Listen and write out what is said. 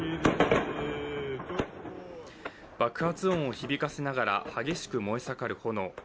爆発音を響かせながら、激しく燃えさかる炎。